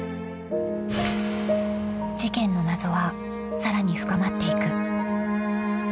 ［事件の謎はさらに深まっていく］